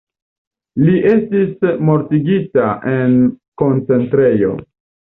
Li estis mortigita en koncentrejo.